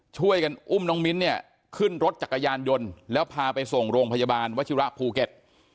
ช่วยกันอุ้มน้องมิ้นเนี่ยขึ้นรถจักรยานยนต์แล้วพาไปส่งโรงพยาบาลวชิระภูเก็ต